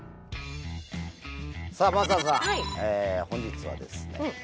さあ、真麻さん本日はですね